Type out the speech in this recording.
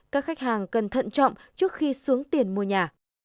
các khách hàng cần thận trọng trước khi xuống tiền mua nhà